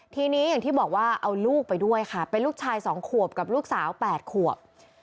ทีนี้อย่างที่บอกว่าเอาลูกไปด้วยค่ะเป็นลูกชาย๒ขวบกับลูกสาว๘ขวบ